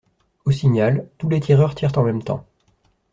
Au signal, tous les tireurs tirent en même temps.